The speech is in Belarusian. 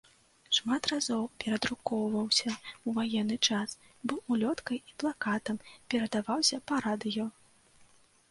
Шмат разоў перадрукоўваўся ў ваенны час, быў улёткай і плакатам, перадаваўся па радыё.